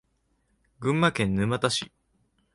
群馬県沼田市